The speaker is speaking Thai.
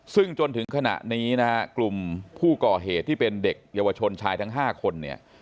ซึ่งจนถึงขณะนี้นะฮะกลุ่มผู้ก่อเหตุที่เป็นเด็กเยาวชนชายทั้ง๕คนเนี่ย